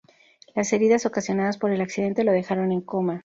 Las heridas ocasionadas por el accidente lo dejaron en coma.